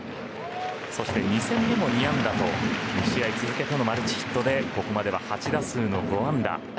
そして、２戦目も２安打と２試合続けてのマルチヒットでここまでは８打数５安打。